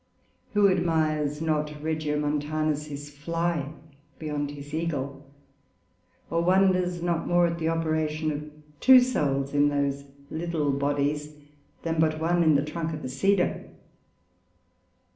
Who admires not Regio Montanus his Fly beyond his Eagle, or wonders not more at the operation of two Souls in those little Bodies, than but one in the Trunk of a Cedar?